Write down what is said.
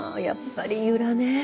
やっぱり由良ね。